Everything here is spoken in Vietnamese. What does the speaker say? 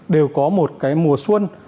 đều có một cái mùa xuân